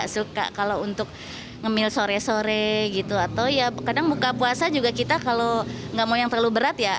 suka kalau untuk ngemil sore sore gitu atau ya kadang buka puasa juga kita kalau nggak mau yang terlalu berat ya